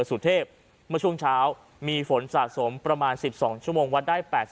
สุเทพเมื่อช่วงเช้ามีฝนสะสมประมาณ๑๒ชั่วโมงวัดได้๘๐